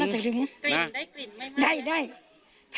กลิ่นได้กลิ่นไหมนะครับ